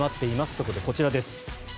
そこでこちらです。